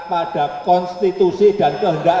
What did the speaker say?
pada konstitusi dan kehendak